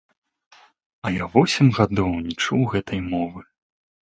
А я восем гадоў не чуў гэтай мовы.